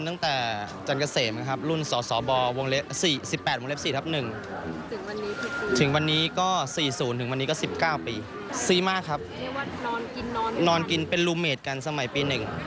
ในส่วนของบุญที่ส่วนของทำบุญอะไร